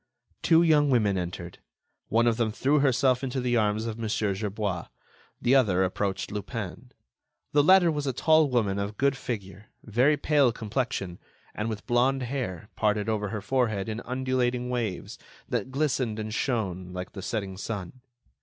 Two young women entered. One of them threw herself into the arms of Mon. Gerbois. The other approached Lupin. The latter was a tall woman of a good figure, very pale complexion, and with blond hair, parted over her forehead in undulating waves, that glistened and shone like the setting sun.